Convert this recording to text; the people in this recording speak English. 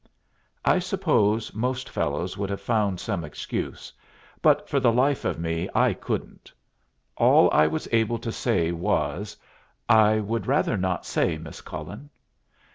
I suppose most fellows would have found some excuse, but for the life of me I couldn't. All I was able to say was, "I would rather not say, Miss Cullen."